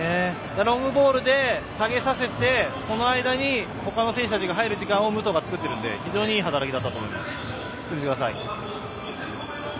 ロングボールで下げさせてその間にほかの選手たちが入る時間を武藤が作っているんで非常にいい働きだったと思います。